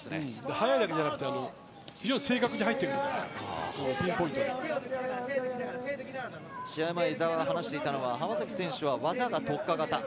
速いだけじゃなくて正確に入っていくよね試合前に伊澤が話していたのは浜崎選手は技特化型。